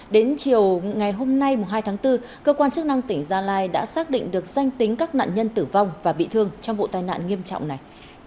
đến chiều ngày hôm nay hai tháng bốn cơ quan chức năng tỉnh gia lai đã xác định được danh tính các nạn nhân tử vong và bị thương trong vụ tai nạn nghiêm trọng này